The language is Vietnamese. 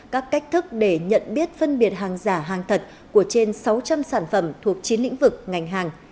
các cách thức để nhận biết phân biệt hàng giả hàng thật của trên sáu trăm linh sản phẩm thuộc chín lĩnh vực ngành hàng